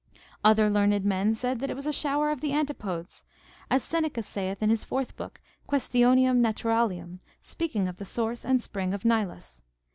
Other learned men said that it was a shower of the antipodes, as Seneca saith in his fourth book Quaestionum naturalium, speaking of the source and spring of Nilus.